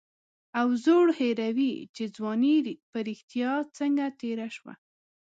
او زوړ هېروي چې ځواني په رښتیا څنګه تېره شوه.